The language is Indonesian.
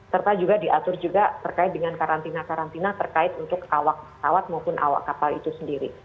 serta juga diatur juga terkait dengan karantina karantina terkait untuk awak pesawat maupun awak kapal itu sendiri